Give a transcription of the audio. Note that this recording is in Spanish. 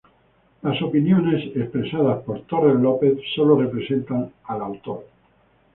Las opiniones expresadas por Torres López solo representan al autor".